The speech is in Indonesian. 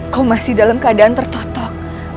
kau masih dalam keadaan tertotok